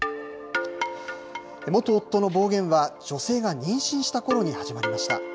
元夫の暴言は、女性が妊娠したころに始まりました。